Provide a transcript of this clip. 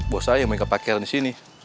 bos saya yang main kepakean disini